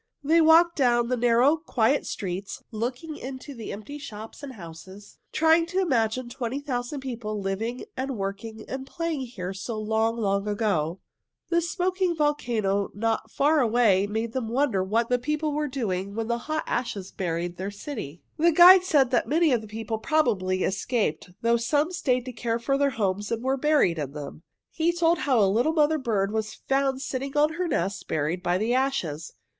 They walked down the narrow, quiet streets, looking into the empty shops and houses, trying to imagine twenty thousand people living and working and playing here so long, long ago. The smoking volcano not far away made them wonder what the people were doing when the hot ashes buried their city. The guide said many of the people probably escaped, though some stayed to care for their homes and were buried in them. He told how a little mother bird was found sitting on her nest, buried by the ashes.